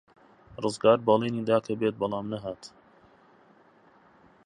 ڕزگار بەڵێنی دا کە بێت، بەڵام نەهات.